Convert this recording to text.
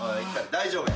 大丈夫。